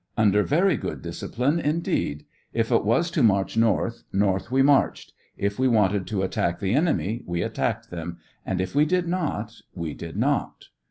Under very good discipline, indeed ; if it was to march north, north we marched ; if we wanted to at tack the enemy, we attacked them; and if we did not, we did not.